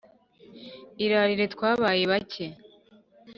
Irarire twabaye bake!